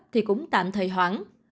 thì cũng tạm thời hoãn